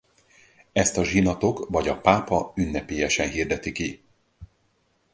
Ezt a zsinatok vagy a pápa ünnepélyesen hirdeti ki.